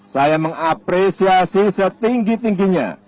saya mengapresiasi setinggi tingginya